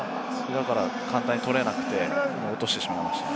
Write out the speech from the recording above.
だから簡単に取れなくて落としてしまいました。